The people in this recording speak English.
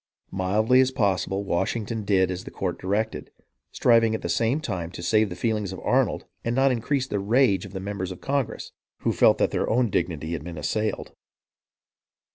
Mildly as possible, Washington did as the court directed, striving at the same time to save the feelings of Arnold and not increase the rage of the members of Congress, who felt that their own dignity had been assailed.